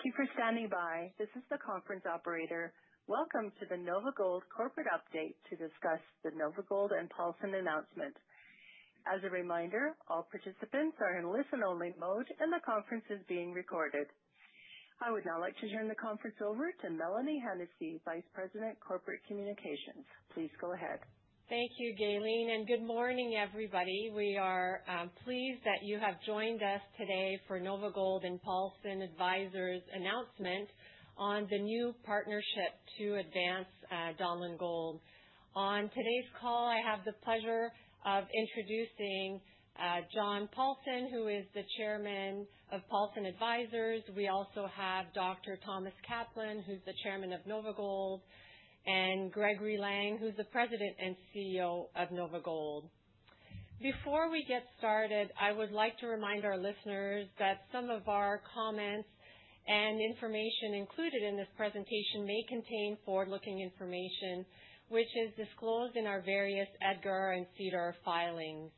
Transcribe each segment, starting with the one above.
Thank you for standing by. This is the conference operator. Welcome to the NOVAGOLD corporate update to discuss the NOVAGOLD and Paulson announcements. As a reminder, all participants are in listen-only mode, and the conference is being recorded. I would now like to turn the conference over to Mélanie Hennessey, Vice President, Corporate Communications. Please go ahead. Thank you, Galen, and good morning, everybody. We are pleased that you have joined us today for NOVAGOLD and Paulson Advisers' announcement on the new partnership to advance Donlin Gold. On today's call, I have the pleasure of introducing John Paulson, who is the Chairman of Paulson Advisers. We also have Dr. Thomas Kaplan, who's the Chairman of NOVAGOLD, and Gregory Lang, who's the President and CEO of NOVAGOLD. Before we get started, I would like to remind our listeners that some of our comments and information included in this presentation may contain forward-looking information, which is disclosed in our various EDGAR and SEDAR filings.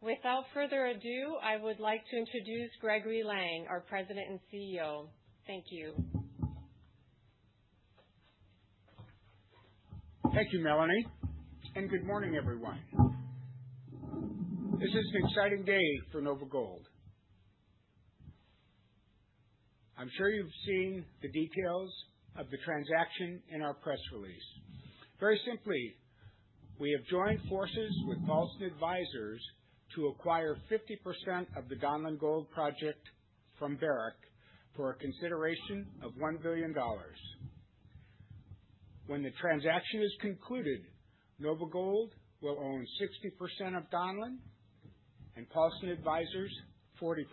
Without further ado, I would like to introduce Gregory Lang, our President and CEO. Thank you. Thank you, Mélanie, and good morning, everyone. This is an exciting day for NOVAGOLD. I'm sure you've seen the details of the transaction in our press release. Very simply, we have joined forces with Paulson Advisers to acquire 50% of the Donlin Gold project from Barrick for a consideration of $1 billion. When the transaction is concluded, NOVAGOLD will own 60% of Donlin and Paulson Advisers 40%.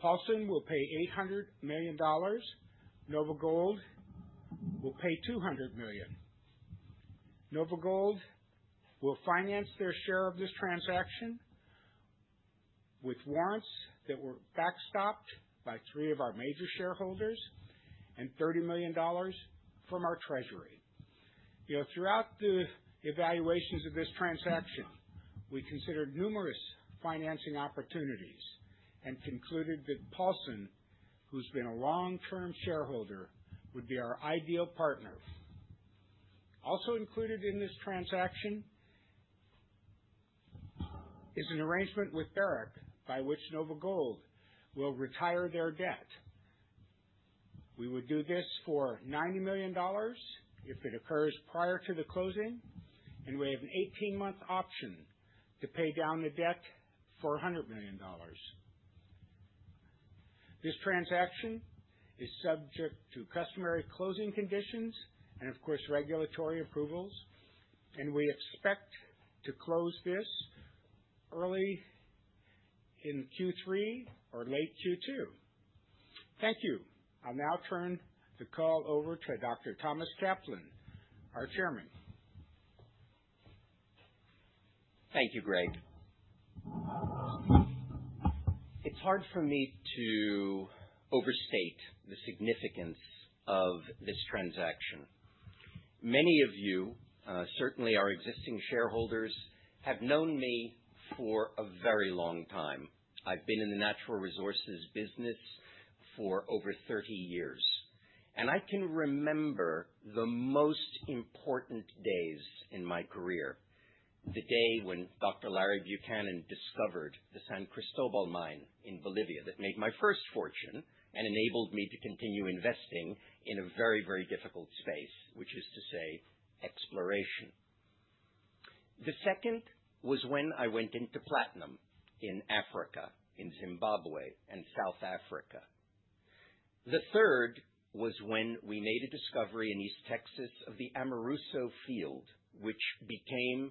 Paulson will pay $800 million. NOVAGOLD will pay $200 million. NOVAGOLD will finance their share of this transaction with warrants that were backstopped by three of our major shareholders and $30 million from our treasury. Throughout the evaluations of this transaction, we considered numerous financing opportunities and concluded that Paulson, who's been a long-term shareholder, would be our ideal partner. Also included in this transaction is an arrangement with Barrick by which NOVAGOLD will retire their debt. We would do this for $90 million if it occurs prior to the closing, and we have an 18-month option to pay down the debt for $100 million. This transaction is subject to customary closing conditions and, of course, regulatory approvals, and we expect to close this early in Q3 or late Q2. Thank you. I'll now turn the call over to Dr. Thomas Kaplan, our Chairman. Thank you, Greg. It's hard for me to overstate the significance of this transaction. Many of you, certainly our existing shareholders, have known me for a very long time. I've been in the natural resources business for over 30 years, and I can remember the most important days in my career. The day when Dr. Larry Buchanan discovered the San Cristóbal mine in Bolivia, that made my first fortune and enabled me to continue investing in a very, very difficult space, which is to say exploration. The second was when I went into platinum in Africa, in Zimbabwe, and South Africa. The third was when we made a discovery in East Texas of the Amarillo field, which became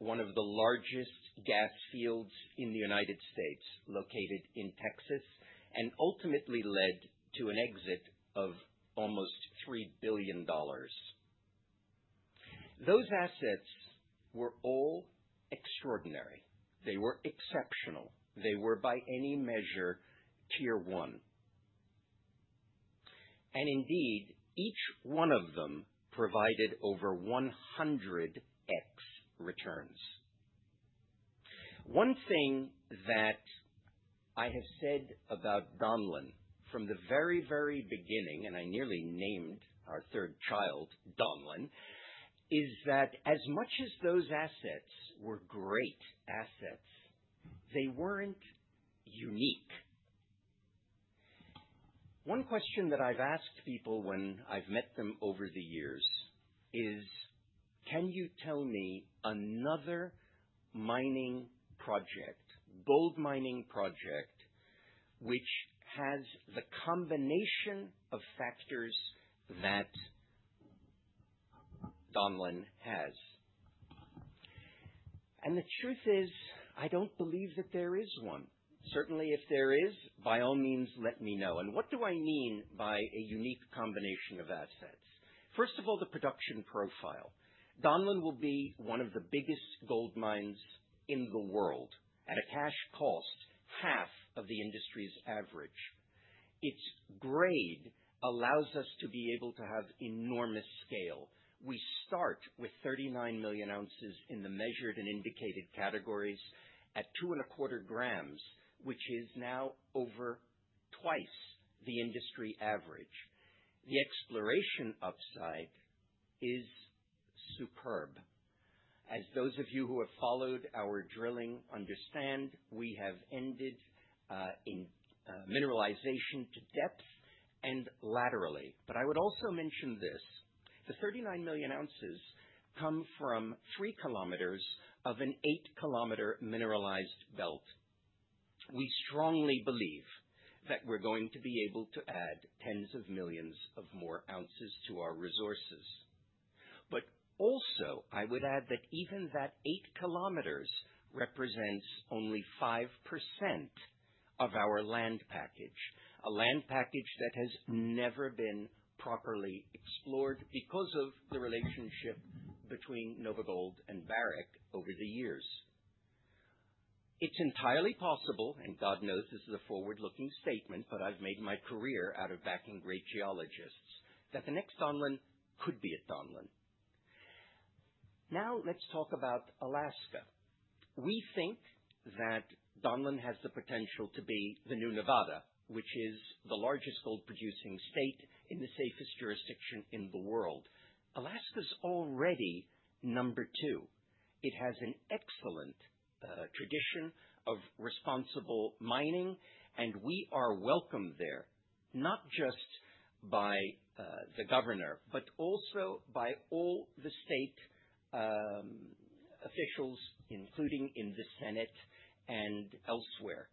one of the largest gas fields in the United States, located in Texas, and ultimately led to an exit of almost $3 billion. Those assets were all extraordinary. They were exceptional. They were, by any measure, tier one. And indeed, each one of them provided over 100x returns. One thing that I have said about Donlin from the very, very beginning, and I nearly named our third child Donlin, is that as much as those assets were great assets, they were not unique. One question that I have asked people when I have met them over the years is, "Can you tell me another mining project, gold mining project, which has the combination of factors that Donlin has?" The truth is, I do not believe that there is one. Certainly, if there is, by all means, let me know. What do I mean by a unique combination of assets? First of all, the production profile. Donlin will be one of the biggest gold mines in the world at a cash cost half of the industry's average. Its grade allows us to be able to have enormous scale. We start with 39 million ounces in the measured and indicated categories at 2.25 g, which is now over twice the industry average. The exploration upside is superb. As those of you who have followed our drilling understand, we have ended mineralization to depth and laterally. I would also mention this: the 39 million ounces come from 3 km of an 8 km mineralized belt. We strongly believe that we're going to be able to add tens of millions of more ounces to our resources. I would add that even that 8 km represents only 5% of our land package, a land package that has never been properly explored because of the relationship between NOVAGOLD and Barrick over the years. It's entirely possible, and God knows this is a forward-looking statement, but I've made my career out of backing great geologists, that the next Donlin could be at Donlin. Now, let's talk about Alaska. We think that Donlin has the potential to be the new Nevada, which is the largest gold-producing state in the safest jurisdiction in the world. Alaska's already number two. It has an excellent tradition of responsible mining, and we are welcome there, not just by the governor, but also by all the state officials, including in the Senate and elsewhere.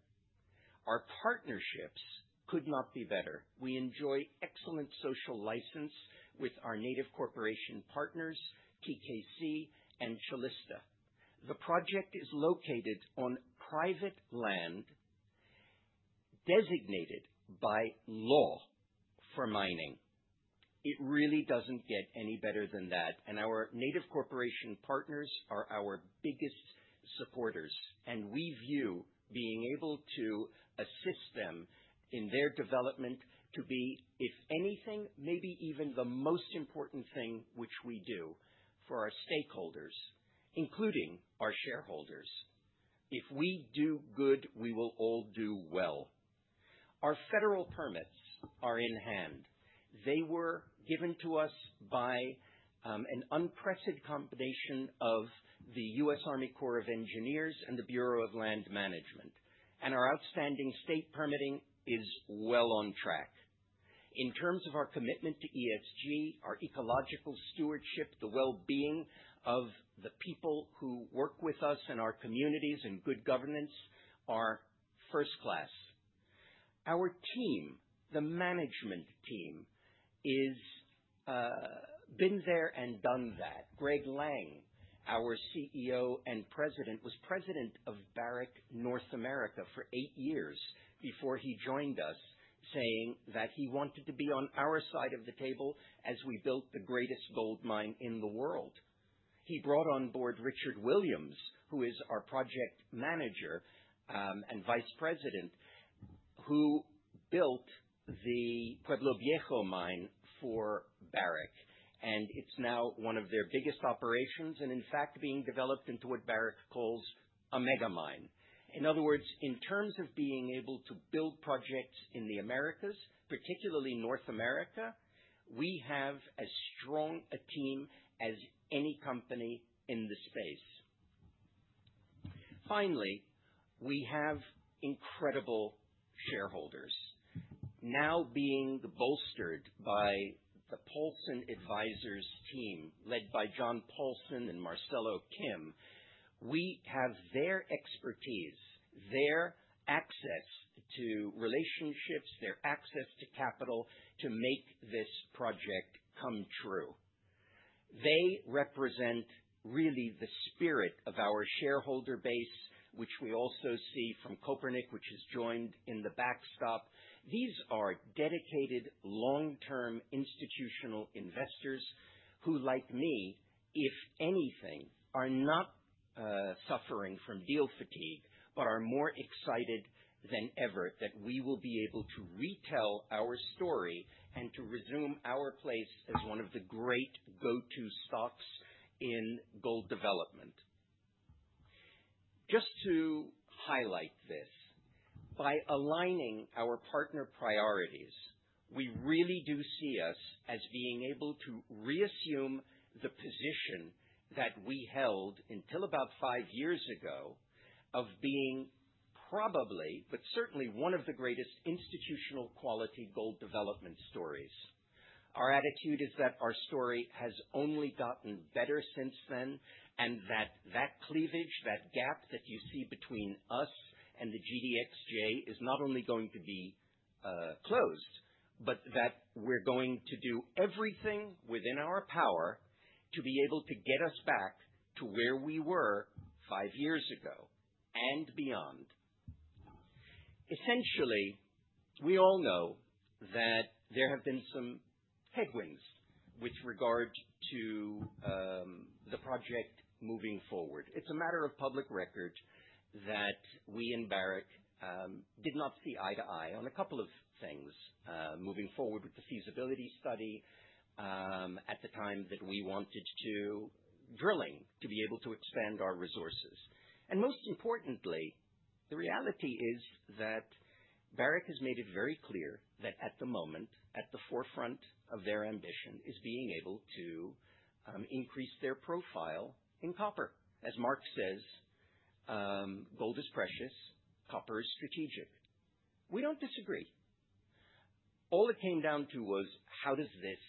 Our partnerships could not be better. We enjoy excellent social license with our Native corporation partners, TKC and Calista. The project is located on private land designated by law for mining. It really doesn't get any better than that. Our Native corporation partners are our biggest supporters, and we view being able to assist them in their development to be, if anything, maybe even the most important thing which we do for our stakeholders, including our shareholders. If we do good, we will all do well. Our federal permits are in hand. They were given to us by an unprecedented combination of the U.S. Army Corps of Engineers and the Bureau of Land Management. Our outstanding state permitting is well on track. In terms of our commitment to ESG, our ecological stewardship, the well-being of the people who work with us and our communities and good governance are first-class. Our team, the management team, has been there and done that. Gregory Lang, our CEO and President, was President of Barrick North America for eight years before he joined us, saying that he wanted to be on our side of the table as we built the greatest gold mine in the world. He brought on board Richard Williams, who is our project manager and Vice President, who built the Pueblo Viejo mine for Barrick, and it's now one of their biggest operations and, in fact, being developed into what Barrick calls a mega mine. In other words, in terms of being able to build projects in the Americas, particularly North America, we have as strong a team as any company in the space. Finally, we have incredible shareholders. Now being bolstered by the Paulson Advisers team led by John Paulson and Marcelo Kim, we have their expertise, their access to relationships, their access to capital to make this project come true. They represent really the spirit of our shareholder base, which we also see from Kopernik, which has joined in the backstop. These are dedicated, long-term institutional investors who, like me, if anything, are not suffering from deal fatigue, but are more excited than ever that we will be able to retell our story and to resume our place as one of the great go-to stocks in gold development. Just to highlight this, by aligning our partner priorities, we really do see us as being able to reassume the position that we held until about five years ago of being probably, but certainly one of the greatest institutional quality gold development stories. Our attitude is that our story has only gotten better since then and that that cleavage, that gap that you see between us and the GDXJ is not only going to be closed, but that we're going to do everything within our power to be able to get us back to where we were five years ago and beyond. Essentially, we all know that there have been some headwinds with regard to the project moving forward. It's a matter of public record that we in Barrick did not see eye to eye on a couple of things moving forward with the feasibility study at the time that we wanted to drilling to be able to expand our resources. Most importantly, the reality is that Barrick has made it very clear that at the moment, at the forefront of their ambition is being able to increase their profile in copper. As Mark says, "Gold is precious. Copper is strategic." We do not disagree. All it came down to was, how does this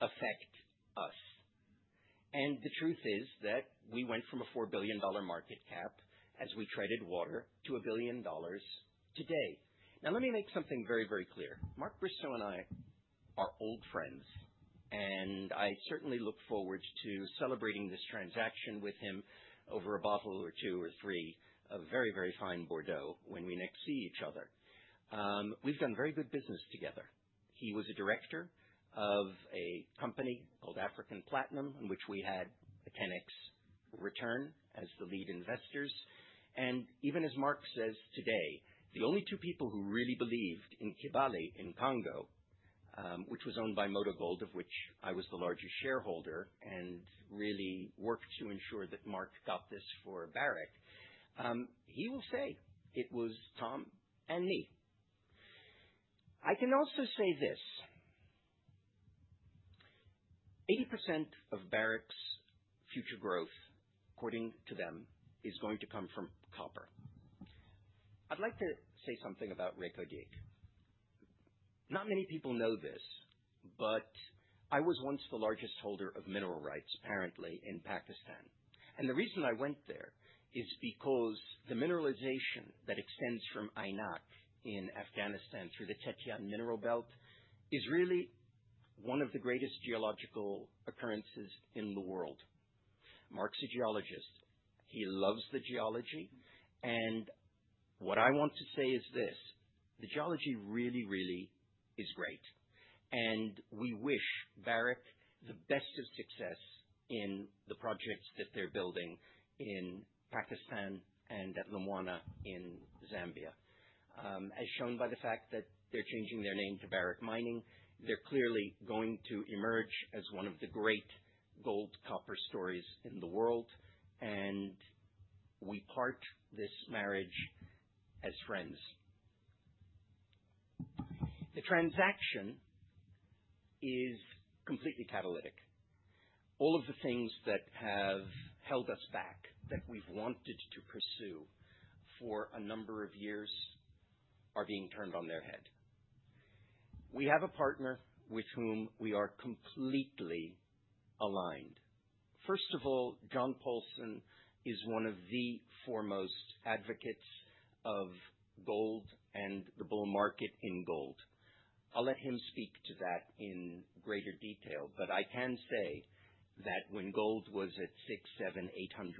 affect us? The truth is that we went from a $4 billion market cap as we traded water to $1 billion today. Now, let me make something very, very clear. Mark Bristow and I are old friends, and I certainly look forward to celebrating this transaction with him over a bottle or two or three of very, very fine Bordeaux when we next see each other. We have done very good business together. He was a director of a company called African Platinum, in which we had a 10x return as the lead investors. Even as Mark says today, the only two people who really believed in Kibali in Congo, which was owned by Moto Gold, of which I was the largest shareholder and really worked to ensure that Mark got this for Barrick, he will say it was Tom and me. I can also say this: 80% of Barrick's future growth, according to them, is going to come from copper. I'd like to say something about Reko Diq. Not many people know this, but I was once the largest holder of mineral rights, apparently, in Pakistan. The reason I went there is because the mineralization that extends from Aynak in Afghanistan through the Tethyan mineral belt is really one of the greatest geological occurrences in the world. Mark's a geologist. He loves the geology. What I want to say is this: the geology really, really is great. We wish Barrick the best of success in the projects that they are building in Pakistan and at Lumwana in Zambia. As shown by the fact that they are changing their name to Barrick Mining, they are clearly going to emerge as one of the great gold copper stories in the world. We part this marriage as friends. The transaction is completely catalytic. All of the things that have held us back, that we have wanted to pursue for a number of years, are being turned on their head. We have a partner with whom we are completely aligned. First of all, John Paulson is one of the foremost advocates of gold and the bull market in gold. I'll let him speak to that in greater detail, but I can say that when gold was at $600,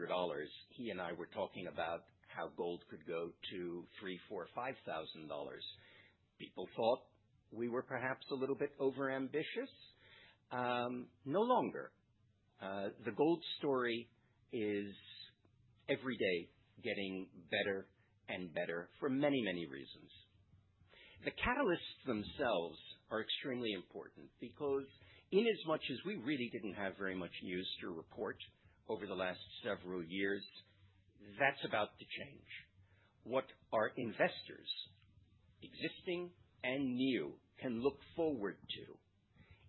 $700, $800, he and I were talking about how gold could go to $3,000, $4,000, $5,000. People thought we were perhaps a little bit overambitious. No longer. The gold story is every day getting better and better for many, many reasons. The catalysts themselves are extremely important because in as much as we really didn't have very much news to report over the last several years, that's about to change. What our investors, existing and new, can look forward to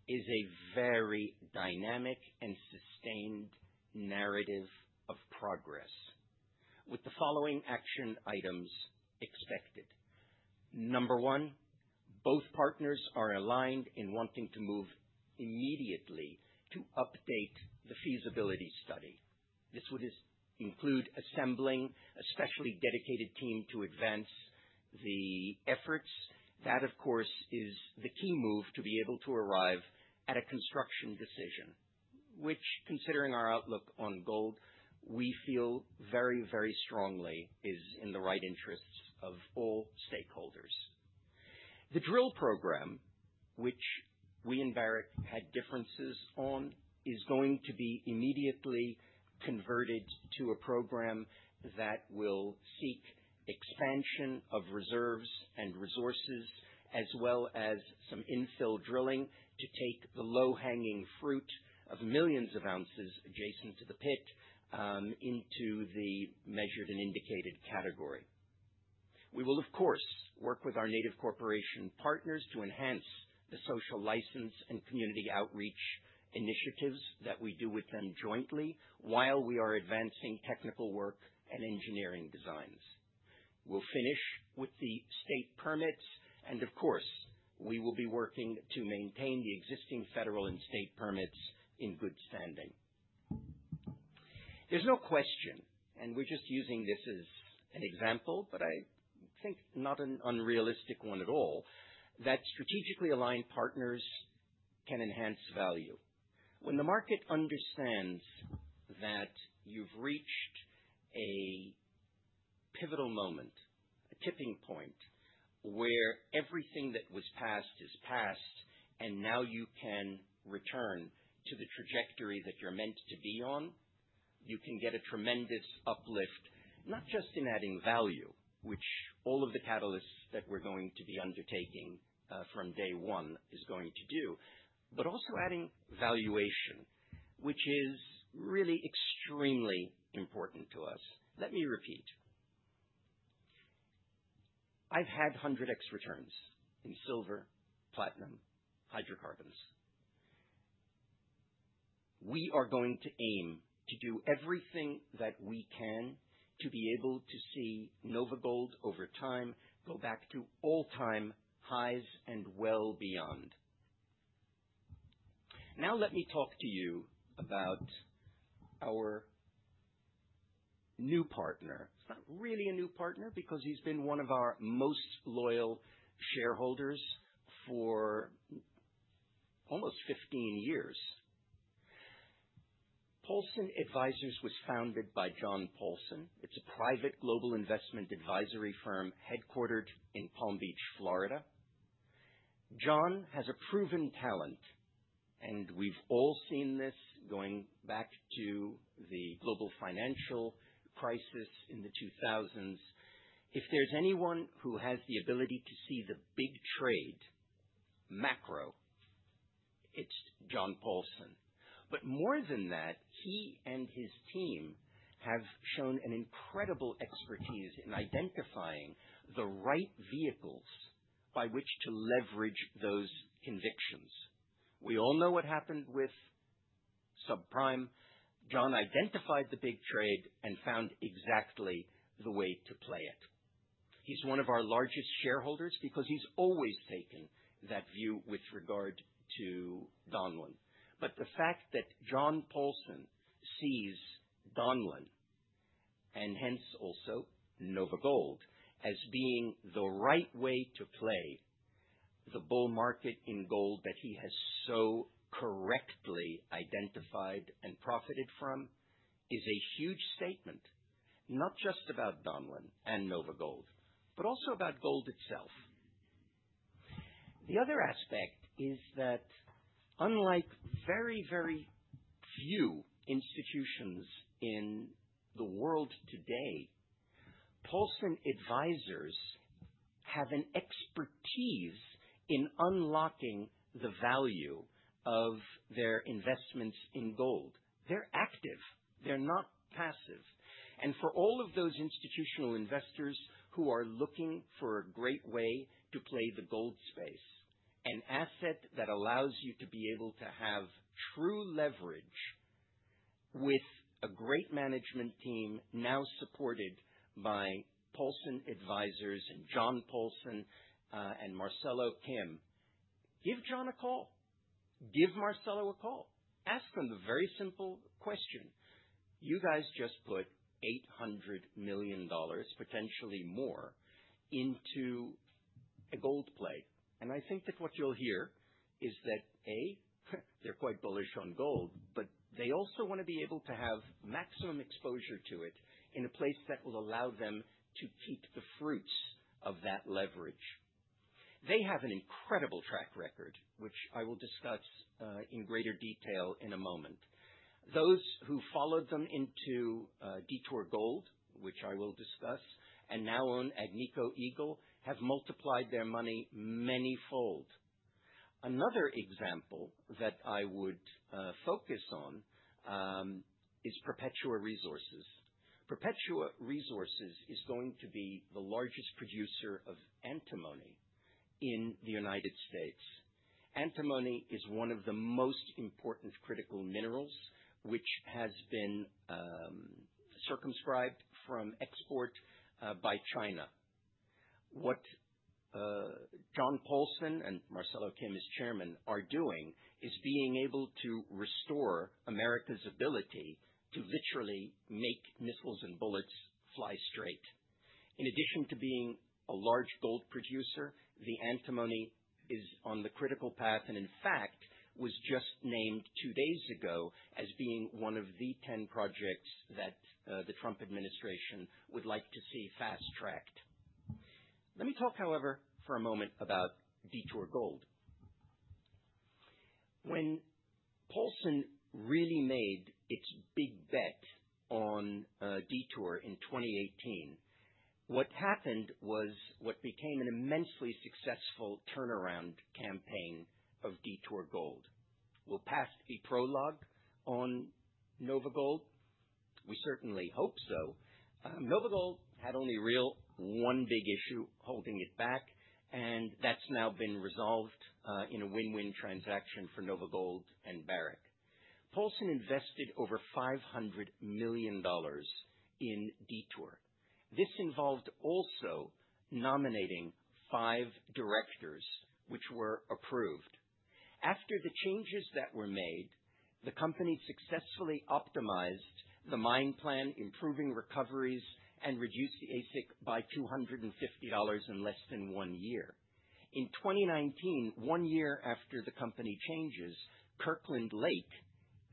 is a very dynamic and sustained narrative of progress with the following action items expected. Number one, both partners are aligned in wanting to move immediately to update the feasibility study. This would include assembling a specially dedicated team to advance the efforts. That, of course, is the key move to be able to arrive at a construction decision, which, considering our outlook on gold, we feel very, very strongly is in the right interests of all stakeholders. The drill program, which we in Barrick had differences on, is going to be immediately converted to a program that will seek expansion of reserves and resources, as well as some infill drilling to take the low-hanging fruit of millions of ounces adjacent to the pit into the measured and indicated category. We will, of course, work with our Native corporation partners to enhance the social license and community outreach initiatives that we do with them jointly while we are advancing technical work and engineering designs. We will finish with the state permits. Of course, we will be working to maintain the existing federal and state permits in good standing. There's no question, and we're just using this as an example, but I think not an unrealistic one at all, that strategically aligned partners can enhance value. When the market understands that you've reached a pivotal moment, a tipping point where everything that was past is past, and now you can return to the trajectory that you're meant to be on, you can get a tremendous uplift, not just in adding value, which all of the catalysts that we're going to be undertaking from day one is going to do, but also adding valuation, which is really extremely important to us. Let me repeat. I've had 100x returns in silver, platinum, hydrocarbons. We are going to aim to do everything that we can to be able to see Barrick Mining over time go back to all-time highs and well beyond. Now, let me talk to you about our new partner. It's not really a new partner because he's been one of our most loyal shareholders for almost 15 years. Paulson Advisers was founded by John Paulson. It's a private global investment advisory firm headquartered in Palm Beach, Florida. John has a proven talent, and we've all seen this going back to the global financial crisis in the 2000s. If there's anyone who has the ability to see the big trade, macro, it's John Paulson. More than that, he and his team have shown an incredible expertise in identifying the right vehicles by which to leverage those convictions. We all know what happened with subprime. John identified the big trade and found exactly the way to play it. He's one of our largest shareholders because he's always taken that view with regard to Donlin. The fact that John Paulson sees Donlin, and hence also NOVAGOLD, as being the right way to play the bull market in gold that he has so correctly identified and profited from is a huge statement, not just about Donlin and NOVAGOLD, but also about gold itself. The other aspect is that, unlike very, very few institutions in the world today, Paulson Advisers have an expertise in unlocking the value of their investments in gold. They're active. They're not passive. For all of those institutional investors who are looking for a great way to play the gold space, an asset that allows you to be able to have true leverage with a great management team now supported by Paulson Advisers and John Paulson and Marcelo Kim, give John a call. Give Marcelo a call. Ask him the very simple question, "You guys just put $800 million, potentially more, into a gold play." I think that what you'll hear is that, A, they're quite bullish on gold, but they also want to be able to have maximum exposure to it in a place that will allow them to keep the fruits of that leverage. They have an incredible track record, which I will discuss in greater detail in a moment. Those who followed them into Detour Gold, which I will discuss, and now own Agnico Eagle, have multiplied their money many-fold. Another example that I would focus on is Perpetua Resources. Perpetua Resources is going to be the largest producer of antimony in the United States. Antimony is one of the most important critical minerals, which has been circumscribed from export by China. What John Paulson and Marcelo Kim, his chairman, are doing is being able to restore America's ability to literally make missiles and bullets fly straight. In addition to being a large gold producer, the antimony is on the critical path and, in fact, was just named two days ago as being one of the 10 projects that the Trump administration would like to see fast-tracked. Let me talk, however, for a moment about Detour Gold. When Paulson really made its big bet on Detour in 2018, what happened was what became an immensely successful turnaround campaign of Detour Gold. Will past be prologue on NOVAGOLD? We certainly hope so. NOVAGOLD had only really one big issue holding it back, and that's now been resolved in a win-win transaction for NOVAGOLD and Barrick. Paulson invested over $500 million in Detour. This involved also nominating five directors, which were approved. After the changes that were made, the company successfully optimized the mine plan, improving recoveries and reduced the AISC by $250 in less than one year. In 2019, one year after the company changes, Kirkland Lake,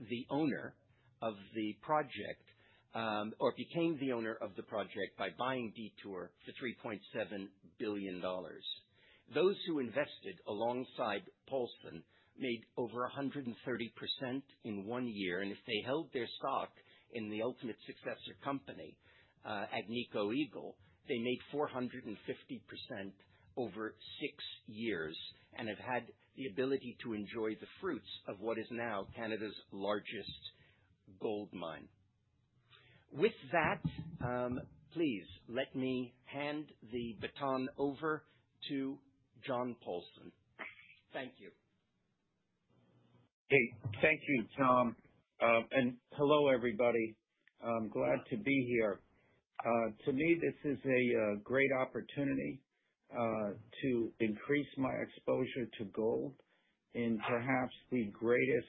the owner of the project, or became the owner of the project by buying Detour for $3.7 billion. Those who invested alongside Paulson made over 130% in one year. If they held their stock in the ultimate successor company, Agnico Eagle, they made 450% over six years and have had the ability to enjoy the fruits of what is now Canada's largest gold mine. With that, please let me hand the baton over to John Paulson. Thank you. Hey, thank you, Tom. And hello, everybody. I'm glad to be here. To me, this is a great opportunity to increase my exposure to gold in perhaps the greatest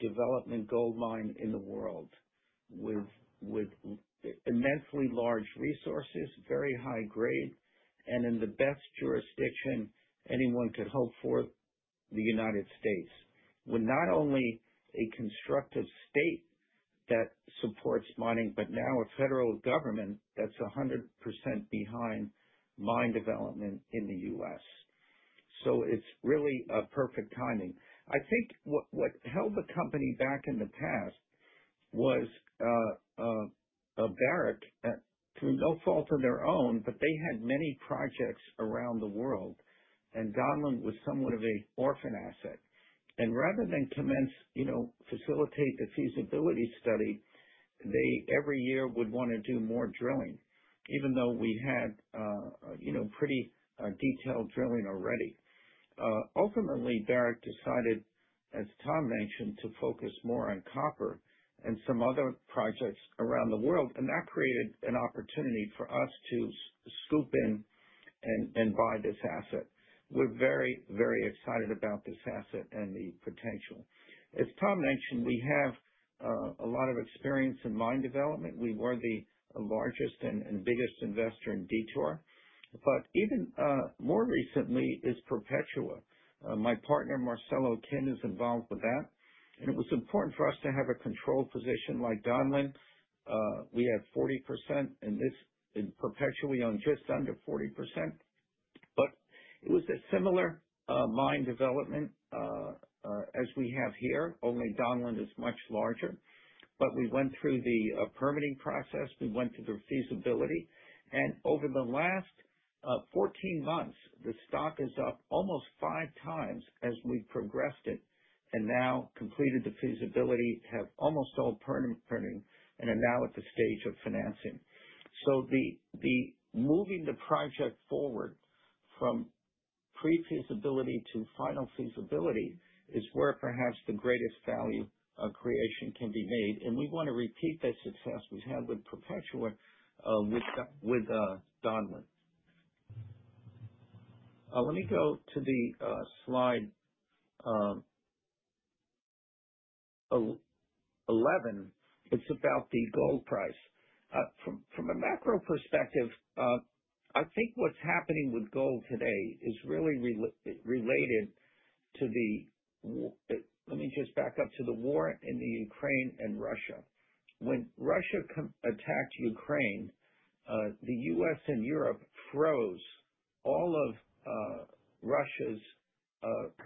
development gold mine in the world with immensely large resources, very high grade, and in the best jurisdiction anyone could hope for, the United States. With not only a constructive state that supports mining, but now a federal government that's 100% behind mine development in the U.S. It is really a perfect timing. I think what held the company back in the past was Barrick, through no fault of their own, but they had many projects around the world, and Donlin was somewhat of an orphan asset. Rather than commence, facilitate the feasibility study, they every year would want to do more drilling, even though we had pretty detailed drilling already. Ultimately, Barrick decided, as Tom mentioned, to focus more on copper and some other projects around the world, and that created an opportunity for us to scoop in and buy this asset. We are very, very excited about this asset and the potential. As Tom mentioned, we have a lot of experience in mine development. We were the largest and biggest investor in Detour. Even more recently is Perpetua. My partner, Marcelo Kim, is involved with that. It was important for us to have a control position like Donlin. We had 40%, and Perpetua was on just under 40%. It was a similar mine development as we have here, only Donlin is much larger. We went through the permitting process. We went through the feasibility. Over the last 14 months, the stock is up almost five times as we've progressed it and now completed the feasibility, have almost all permitting, and are now at the stage of financing. Moving the project forward from pre-feasibility to final feasibility is where perhaps the greatest value creation can be made. We want to repeat the success we've had with Perpetua with Donlin. Let me go to slide 11. It's about the gold price. From a macro perspective, I think what's happening with gold today is really related to the—let me just back up to the war in Ukraine and Russia. When Russia attacked Ukraine, the U.S. and Europe froze all of Russia's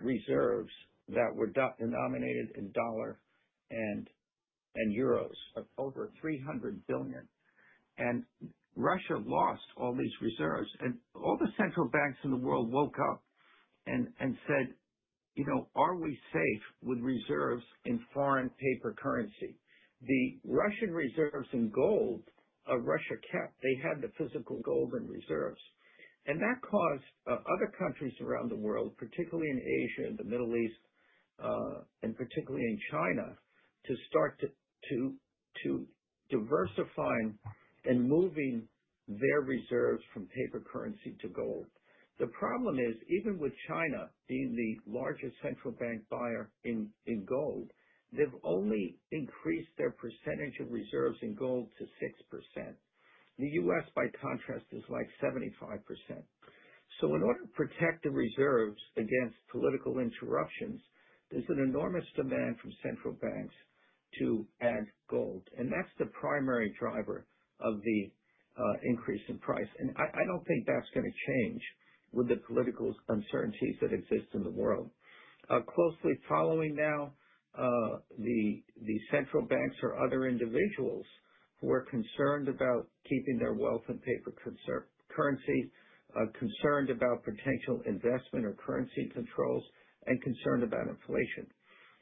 reserves that were denominated in dollars and euros, over $300 billion. Russia lost all these reserves. All the central banks in the world woke up and said, "Are we safe with reserves in foreign paper currency?" The Russian reserves in gold are Russia kept. They had the physical gold in reserves. That caused other countries around the world, particularly in Asia and the Middle East, and particularly in China, to start to diversify and move their reserves from paper currency to gold. The problem is, even with China being the largest central bank buyer in gold, they've only increased their percentage of reserves in gold to 6%. The U.S., by contrast, is like 75%. In order to protect the reserves against political interruptions, there is an enormous demand from central banks to add gold. That is the primary driver of the increase in price. I do not think that is going to change with the political uncertainties that exist in the world. Closely following now, the central banks or other individuals who are concerned about keeping their wealth in paper currency, concerned about potential investment or currency controls, and concerned about inflation.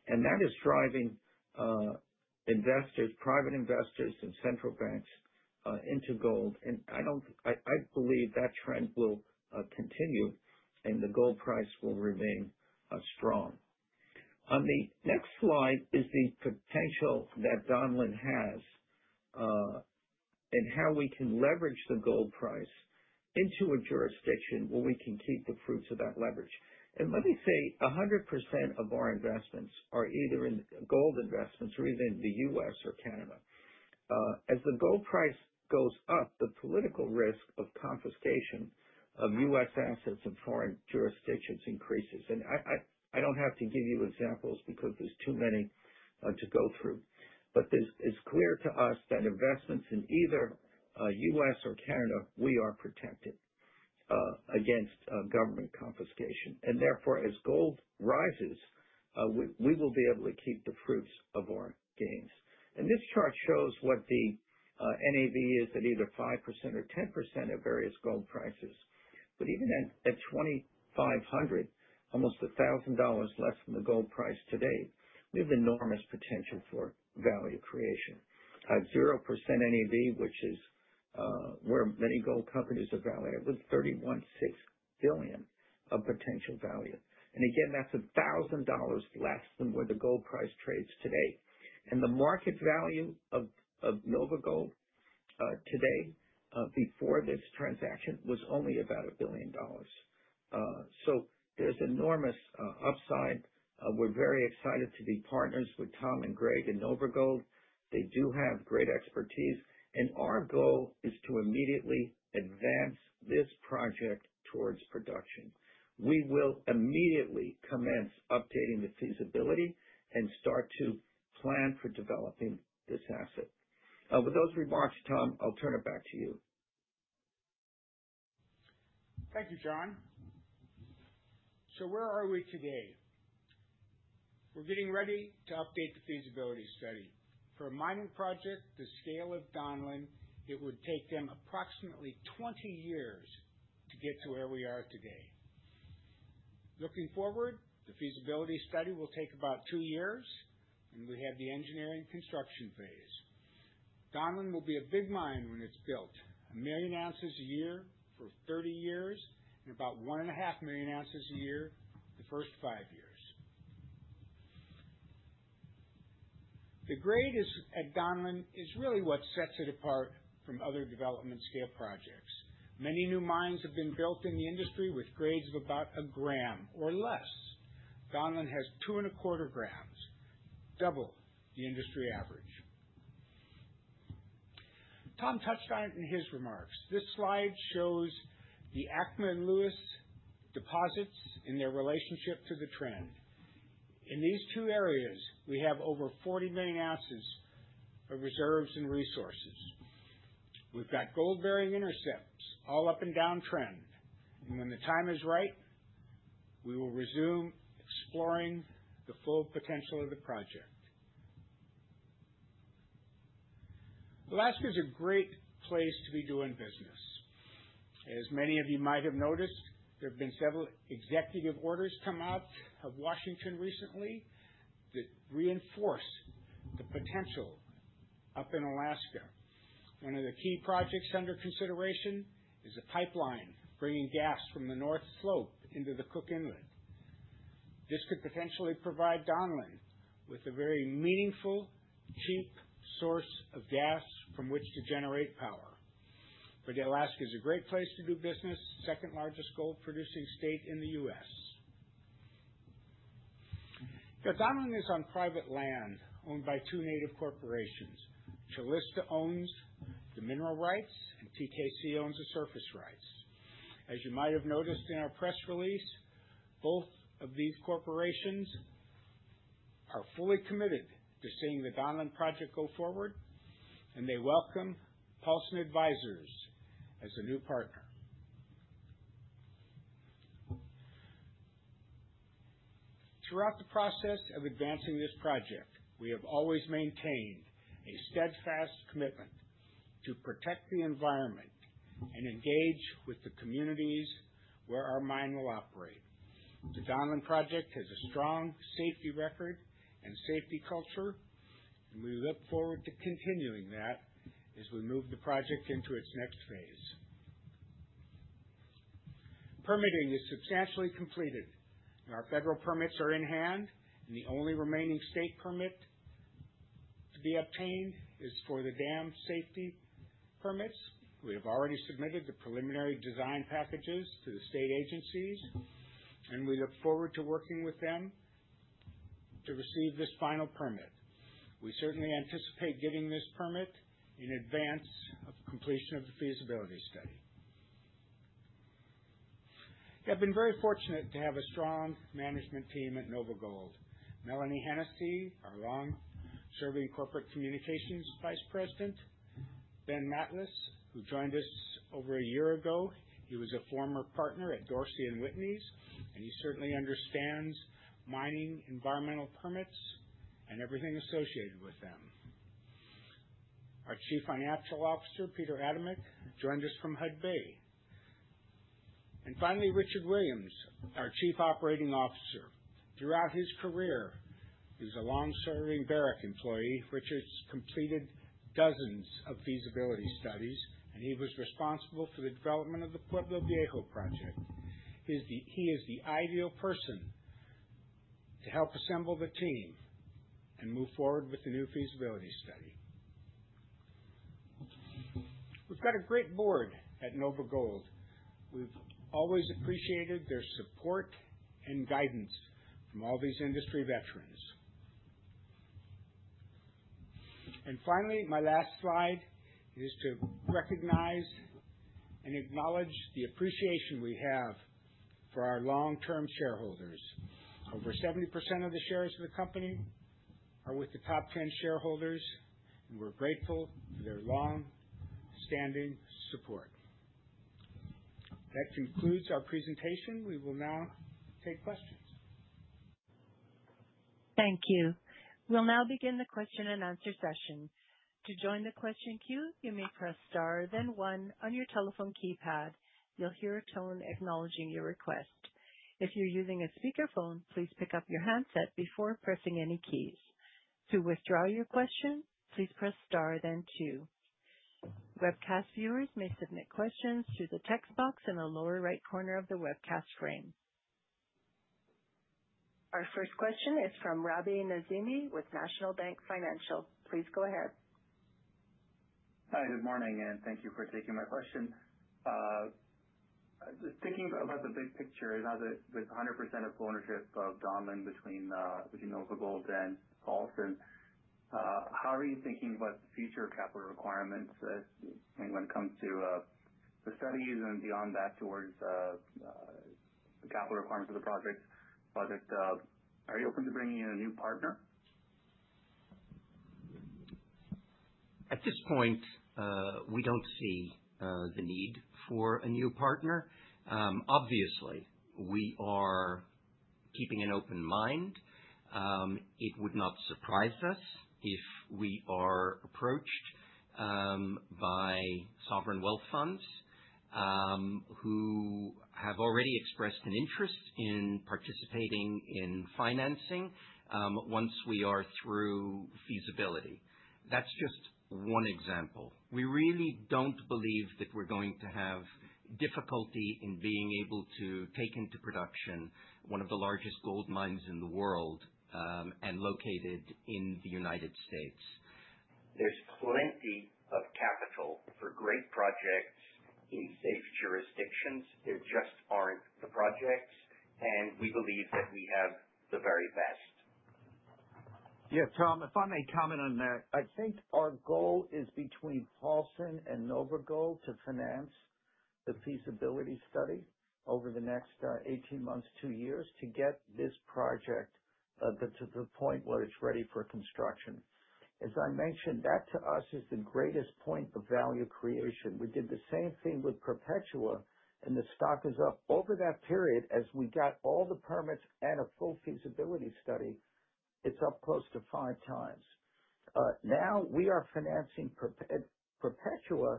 That is driving investors, private investors and central banks, into gold. I believe that trend will continue, and the gold price will remain strong. On the next slide is the potential that Donlin has and how we can leverage the gold price into a jurisdiction where we can keep the fruits of that leverage. Let me say, 100% of our investments are either in gold investments or either in the U.S. or Canada. As the gold price goes up, the political risk of confiscation of U.S. assets in foreign jurisdictions increases. I do not have to give you examples because there are too many to go through. It is clear to us that investments in either the U.S. or Canada, we are protected against government confiscation. Therefore, as gold rises, we will be able to keep the fruits of our gains. This chart shows what the NAV is at either 5% or 10% of various gold prices. Even at $2,500, almost $1,000 less than the gold price today, we have enormous potential for value creation. At 0% NAV, which is where many gold companies are valued, we have $3.16 billion of potential value. Again, that is $1,000 less than where the gold price trades today. The market value of NOVAGOLD today, before this transaction, was only about $1 billion. There is enormous upside. We are very excited to be partners with Tom and Greg in NOVAGOLD. They do have great expertise. Our goal is to immediately advance this project towards production. We will immediately commence updating the feasibility and start to plan for developing this asset. With those remarks, Tom, I'll turn it back to you. Thank you, John. Where are we today? We're getting ready to update the feasibility study. For a mining project the scale of Donlin, it would take them approximately 20 years to get to where we are today. Looking forward, the feasibility study will take about two years, and we have the engineering construction phase. Donlin will be a big mine when it's built, a million ounces a year for 30 years and about one and a half million ounces a year the first five years. The grade at Donlin is really what sets it apart from other development scale projects. Many new mines have been built in the industry with grades of about a gram or less. Donlin has two and a quarter grams, double the industry average. Tom touched on it in his remarks. This slide shows the ACMA and Lewis deposits and their relationship to the trend. In these two areas, we have over 40 million ounces of reserves and resources. We've got gold-bearing intercepts all up and down trend. When the time is right, we will resume exploring the full potential of the project. Alaska is a great place to be doing business. As many of you might have noticed, there have been several executive orders come out of Washington recently that reinforce the potential up in Alaska. One of the key projects under consideration is a pipeline bringing gas from the North Slope into the Cook Inlet. This could potentially provide Donlin with a very meaningful, cheap source of gas from which to generate power. Alaska is a great place to do business, second largest gold-producing state in the U.S. Donlin is on private land owned by two Native corporations. Calista owns the mineral rights, and TKC owns the surface rights. As you might have noticed in our press release, both of these corporations are fully committed to seeing the Donlin project go forward, and they welcome Paulson Advisers as a new partner. Throughout the process of advancing this project, we have always maintained a steadfast commitment to protect the environment and engage with the communities where our mine will operate. The Donlin project has a strong safety record and safety culture, and we look forward to continuing that as we move the project into its next phase. Permitting is substantially completed. Our federal permits are in hand, and the only remaining state permit to be obtained is for the dam safety permits. We have already submitted the preliminary design packages to the state agencies, and we look forward to working with them to receive this final permit. We certainly anticipate getting this permit in advance of completion of the feasibility study. I've been very fortunate to have a strong management team at Barrick. Mélanie Hennessey, our long-serving Corporate Communications Vice President. Ben Machlis, who joined us over a year ago, he was a former partner at Dorsey & Whitney, and he certainly understands mining, environmental permits, and everything associated with them. Our Chief Financial Officer, Peter Adamek, joined us from Hudbay. Finally, Richard Williams, our Chief Operating Officer. Throughout his career, he was a long-serving Barrick employee. Richard's completed dozens of feasibility studies, and he was responsible for the development of the Pueblo Viejo project. He is the ideal person to help assemble the team and move forward with the new feasibility study. We have got a great board at NOVAGOLD. We have always appreciated their support and guidance from all these industry veterans. Finally, my last slide is to recognize and acknowledge the appreciation we have for our long-term shareholders. Over 70% of the shares of the company are with the top 10 shareholders, and we are grateful for their long-standing support. That concludes our presentation. We will now take questions. Thank you. We will now begin the question and answer session. To join the question queue, you may press star, then one on your telephone keypad. You will hear a tone acknowledging your request. If you are using a speakerphone, please pick up your handset before pressing any keys. To withdraw your question, please press star, then two. Webcast viewers may submit questions through the text box in the lower right corner of the webcast frame. Our first question is from Rabi Nizami with National Bank Financial. Please go ahead. Hi, good morning, and thank you for taking my question. Thinking about the big picture with 100% of ownership of Donlin between NOVAGOLD and Paulson, how are you thinking about the future capital requirements when it comes to the studies and beyond that towards the capital requirements of the project? Are you open to bringing in a new partner? At this point, we do not see the need for a new partner. Obviously, we are keeping an open mind. It would not surprise us if we are approached by sovereign wealth funds who have already expressed an interest in participating in financing once we are through feasibility. That is just one example. We really don't believe that we're going to have difficulty in being able to take into production one of the largest gold mines in the world and located in the United States. There's plenty of capital for great projects in safe jurisdictions. There just aren't the projects, and we believe that we have the very best. Yeah, Tom, if I may comment on that, I think our goal is between Paulson and NOVAGOLD to finance the feasibility study over the next 18 months, two years to get this project to the point where it's ready for construction. As I mentioned, that to us is the greatest point of value creation. We did the same thing with Perpetua, and the stock is up over that period. As we got all the permits and a full feasibility study, it's up close to five times. Now we are financing Perpetua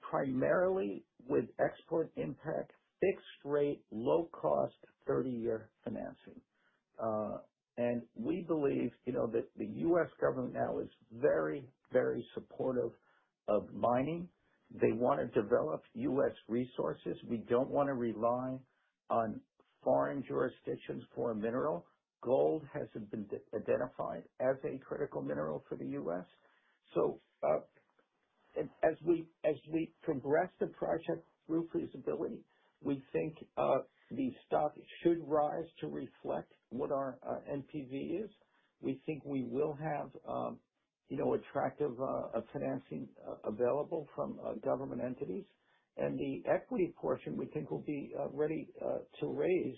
primarily with Export-Import, fixed rate, low-cost, 30-year financing. We believe that the U.S. government now is very, very supportive of mining. They want to develop U.S. resources. We do not want to rely on foreign jurisdictions for a mineral. Gold has not been identified as a critical mineral for the U.S. As we progress the project through feasibility, we think the stock should rise to reflect what our NPV is. We think we will have attractive financing available from government entities. The equity portion, we think, will be ready to raise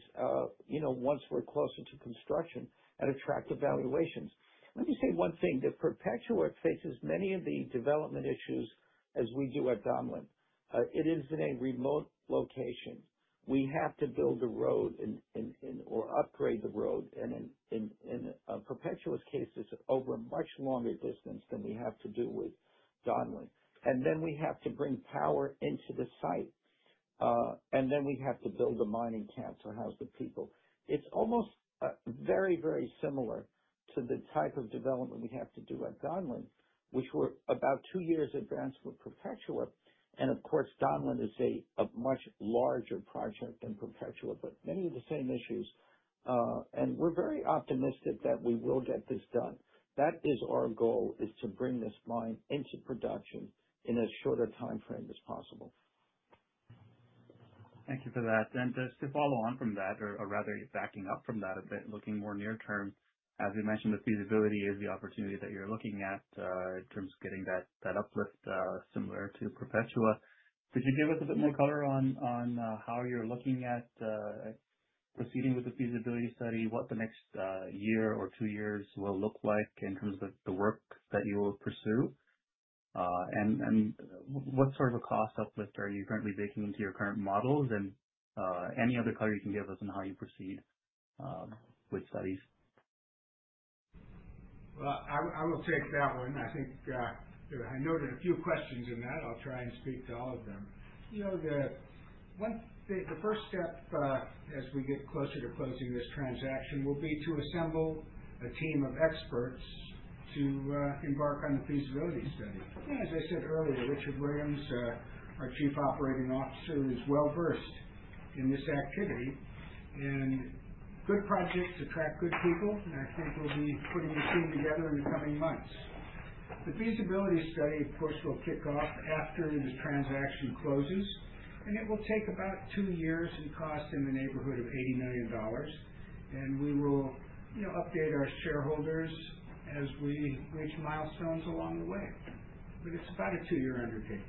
once we are closer to construction at attractive valuations. Let me say one thing. Perpetua faces many of the development issues as we do at Donlin. It is in a remote location. We have to build a road or upgrade the road. In Perpetua's case, it's over a much longer distance than we have to do with Donlin. We have to bring power into the site. We have to build a mining camp to house the people. It's almost very, very similar to the type of development we have to do at Donlin, which we're about two years advanced with Perpetua. Donlin is a much larger project than Perpetua, but many of the same issues. We are very optimistic that we will get this done. That is our goal, to bring this mine into production in as short a timeframe as possible. Thank you for that. To follow on from that, or rather backing up from that a bit, looking more near term, as you mentioned, the feasibility is the opportunity that you're looking at in terms of getting that uplift similar to Perpetua. Could you give us a bit more color on how you're looking at proceeding with the feasibility study, what the next year or two years will look like in terms of the work that you will pursue, and what sort of a cost uplift are you currently baking into your current models? Any other color you can give us on how you proceed with studies? I will take that one. I think I noted a few questions in that. I'll try and speak to all of them. The first step as we get closer to closing this transaction will be to assemble a team of experts to embark on the feasibility study. As I said earlier, Richard Williams, our Chief Operating Officer, is well-versed in this activity. Good projects attract good people, and I think we'll be putting this team together in the coming months. The feasibility study, of course, will kick off after the transaction closes, and it will take about two years and cost in the neighborhood of $80 million. We will update our shareholders as we reach milestones along the way. It is about a two-year undertaking.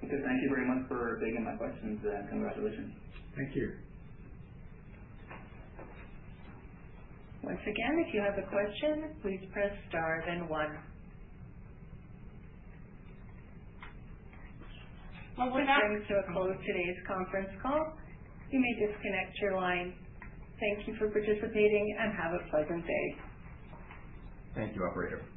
Thank you very much for taking my questions. Congratulations. Thank you. Once again, if you have a question, please press star, then one. This brings to a close today's conference call. You may disconnect your line. Thank you for participating and have a pleasant day. Thank you, operator.